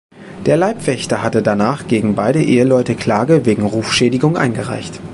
Der Leibwächter hatte danach gegen beide Eheleute Klage wegen Rufschädigung eingereicht.